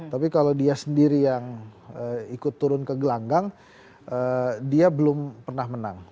tapi kalau dia sendiri yang ikut turun ke gelanggang dia belum pernah menang